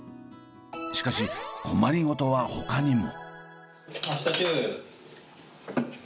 しかし困り事はほかにも。